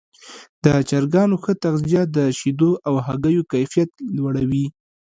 د چرګانو ښه تغذیه د شیدو او هګیو کیفیت لوړوي.